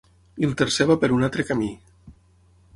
I el tercer va per un altre camí.